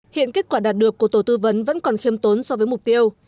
hiện kết quả đạt được của tổ tư vấn vẫn còn khiêm tốn so với mục tiêu